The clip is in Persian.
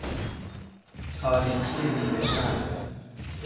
تاریکی نیمه شب